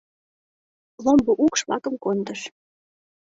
Ломбо укш-влакым кондыш.